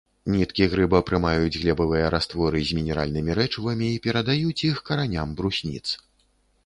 Ніткі грыба прымаюць глебавыя растворы з мінеральнымі рэчывамі і перадаюць іх караням брусніц.